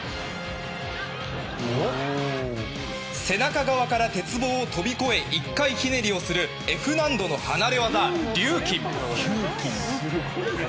背中側から鉄棒を飛び越え１回ひねりをするＦ難度の離れ技、リューキン。